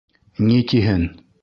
Ни тиһен?